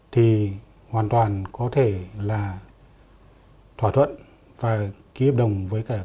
thì hoàn toàn có thể là thỏa thuận và ký hợp đồng với các em